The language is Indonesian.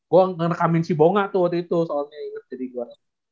gue ngerekamin si bonga tuh waktu itu soalnya ikut jadi gua